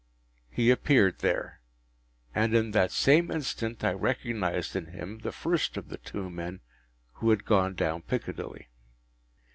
He appeared there. And in that same instant I recognised in him the first of the two men who had gone down Piccadilly.